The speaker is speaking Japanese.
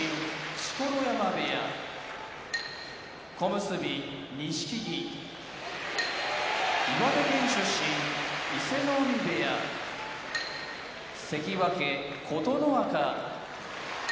錣山部屋小結・錦木岩手県出身伊勢ノ海部屋関脇・琴ノ若千葉県出身